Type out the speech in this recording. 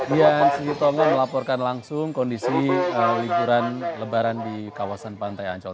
dian sugitonga melaporkan langsung kondisi liburan lebaran di kawasan pantai ancol